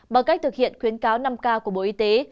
bằng cách thực hiện khuyến cáo năm k của bộ y tế